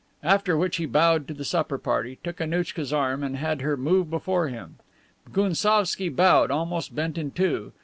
After which he bowed to the supper party, took Annouchka's arm and had her move before him. Gounsovski bowed, almost bent in two.